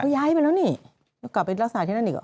ย้ายไปแล้วนี่กลับไปรักษาที่นั่นอีก